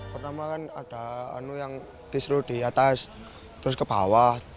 pertama kan ada yang kisru di atas terus ke bawah